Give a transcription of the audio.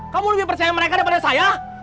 kamu lebih percaya mereka daripada saya